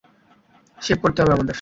Shave করতে হবে আমাদের?